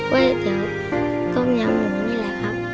เว้ยเตี๋ยวต้มยำหนูนี่แหละครับ